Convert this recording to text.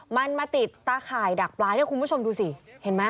มันมาติดตาข่ายดักปลาเนี่ยคุณผู้ชมดูสิเห็นไหม